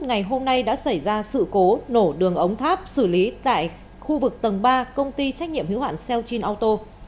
ngày hôm nay đã xảy ra sự cố nổ đường ống tháp xử lý tại khu vực tầng ba công ty trách nhiệm hữu hạn xeochin auto